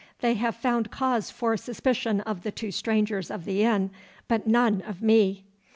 They have found cause for suspicion of the two strangers of the inn, but none of me.